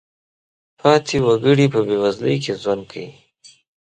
پاتې وګړي په بېوزلۍ کې ژوند کوي.